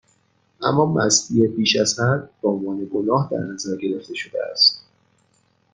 اما مستی بیشازحد، بهعنوان گناه در نظر گرفته شده است